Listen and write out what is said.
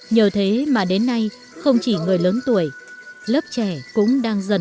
nhờ thế mà đến nay không chỉ người lớn tuổi lớp trẻ cũng đang dễ dàng